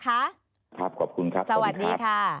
ครับขอบคุณครับสวัสดีครับสวัสดีครับสวัสดีค่ะ